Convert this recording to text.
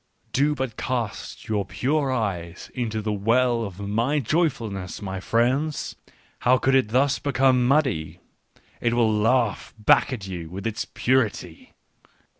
" Do but cast your pure eyes into the well of my joyfulness, my friends ! How could it thus become muddy ! It will laugh back at you with its purity.